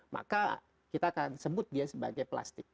maka kita akan sebut dia sebagai plastik